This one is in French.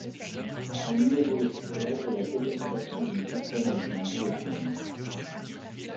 Son numéro le plus célèbre est la décapitation d’une personne avec une guillotine.